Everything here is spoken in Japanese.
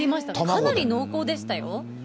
かなり濃厚でしたよ。